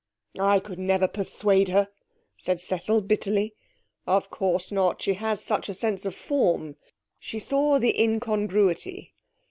'I could never persuade her,' said Cecil bitterly. 'Of course not. She has such a sense of form. She saw the incongruity....